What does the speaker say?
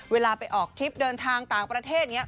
เวลาไปออกทริปเดินทางต่างประเทศอย่างนี้